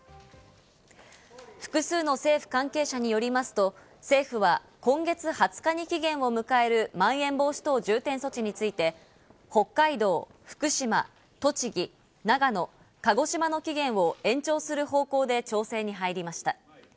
複数の政府関係者によりますと、政府は今月２０日に期限を迎えるまん延防止等重点措置について、北海道、福島、栃木、長野、鹿児島の期限を延長する方向で調整に入りました。